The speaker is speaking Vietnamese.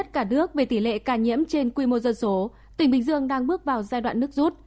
cả nước về tỷ lệ ca nhiễm trên quy mô dân số tỉnh bình dương đang bước vào giai đoạn nước rút